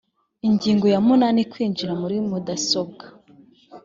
ingingo ya munani kwinjira muri mudasobwa